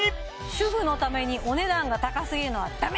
「主婦のためにお値段が高すぎるのはダメ」